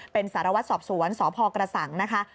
เป็นสารวัตรสอบสวนสพกระสังนะคะ